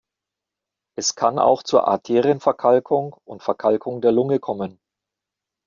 Es kann auch zur Arterienverkalkung und Verkalkung der Lunge kommen.